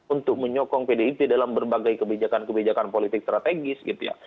untuk menyokong pdip dalam berbagai kebijakan kebijakan politik strategis gitu ya